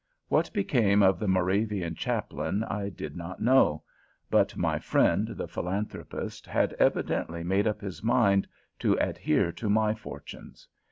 What became of the Moravian chaplain I did not know; but my friend the Philanthropist had evidently made up his mind to adhere to my fortunes.